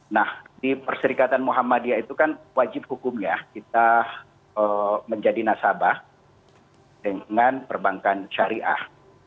nah di perserikatan muhammadiyah itu kan wajib hukumnya kita menjadi nasabah dengan perbankan syariah